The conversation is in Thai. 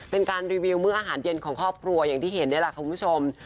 เป็นการรีวิวมื้ออาหารเย็นของครอบครัวอย่างที่เห็นนี่แหละคุณผู้ชม